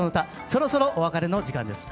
そろそろお別れの時間です。